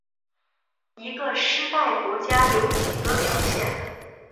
一个失败国家有几个表现。